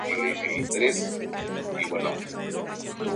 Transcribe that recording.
Sólo tiene un pedúnculo.